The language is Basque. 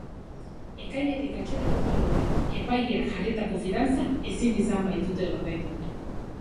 Ekainetik atxilotuta daude, epaileak jarritako fidantza ezin izan baitute ordaindu.